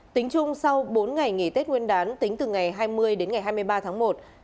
tính chung sau bốn ngày nghỉ tết nguyên đán tính từ ngày hai mươi đến ngày hai mươi ba tháng một